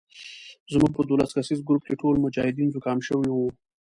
زموږ په دولس کسیز ګروپ کې ټول مجاهدین زکام شوي وو.